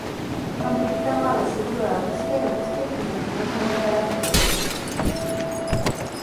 Камплектавалася беларускай, рускай і замежнай літаратурай.